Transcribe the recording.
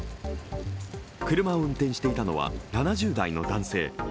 車を運転していたのは７０代の男性。